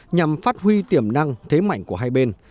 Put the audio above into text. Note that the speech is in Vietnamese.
nhằm phát huy tiềm năng thế mạnh của hai bên